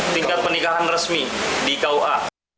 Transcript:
tingkat pernikahan resmi di kua